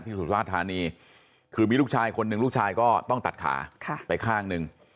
สุราชธานีคือมีลูกชายคนหนึ่งลูกชายก็ต้องตัดขาไปข้างหนึ่ง